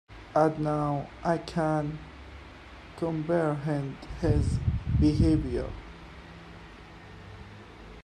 And now I can comprehend his behaviour.